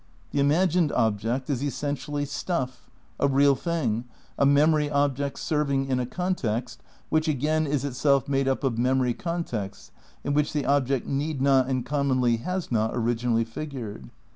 The imagined object is essentially "stuff," a real thing, a memory object serving in a context which again is itself made up of memory contexts in which the object need not and com monly has not originally figured.